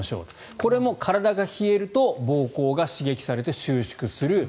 これも体が冷えると膀胱が刺激されて収縮する。